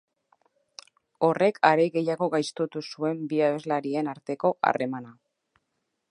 Horrek are gehiago gaiztotu zuen bi abeslarien arteko harremana.